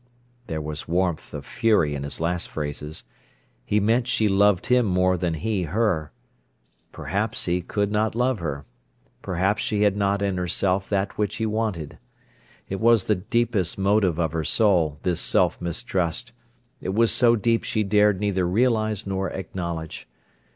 There was warmth of fury in his last phrases. He meant she loved him more than he her. Perhaps he could not love her. Perhaps she had not in herself that which he wanted. It was the deepest motive of her soul, this self mistrust. It was so deep she dared neither realise nor acknowledge.